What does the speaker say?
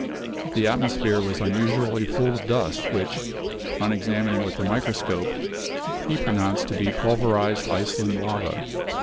The atmosphere was unusually full of dust which, on examining with a microscope, he pronounced to be pulverized Iceland lava.